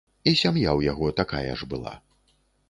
І сям'я ў яго такая ж была.